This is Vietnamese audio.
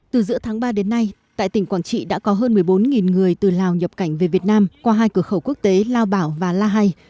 từ giữa tháng ba đến nay tại tỉnh quảng trị đã có hơn một mươi bốn người từ lào nhập cảnh về việt nam qua hai cửa khẩu quốc tế lao bảo và la hai